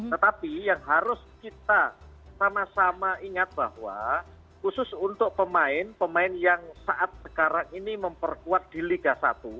tetapi yang harus kita sama sama ingat bahwa khusus untuk pemain pemain yang saat sekarang ini memperkuat di liga satu